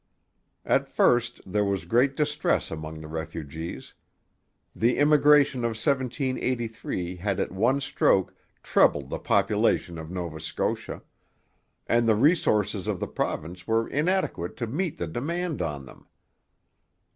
At first there was great distress among the refugees. The immigration of 1783 had at one stroke trebled the population of Nova Scotia; and the resources of the province were inadequate to meet the demand on them.